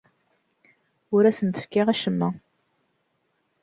Ur asent-fkiɣ acemma.